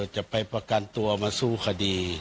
จะไปประกันตัวมาสู้คดี